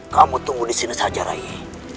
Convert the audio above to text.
kamu tunggu disini saja rai